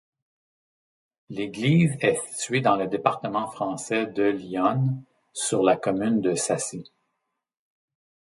L'église est située dans le département français de l'Yonne, sur la commune de Sacy.